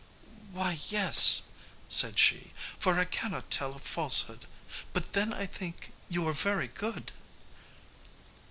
"Why, yes," said she, "for I cannot tell a falsehood; but then I think you are very good."